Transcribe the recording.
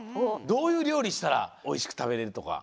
どういうりょうりしたらおいしくたべれるとか。